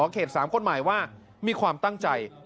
กายุ่ง